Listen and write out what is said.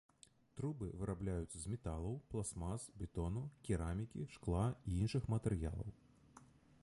Трубы вырабляюцца з металаў, пластмас, бетону, керамікі, шкла і іншых матэрыялаў.